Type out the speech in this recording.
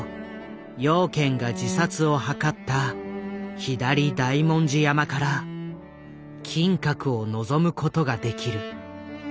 養賢が自殺を図った左大文字山から金閣を望むことができる。